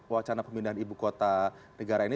wacana pemindahan ibu kota negara ini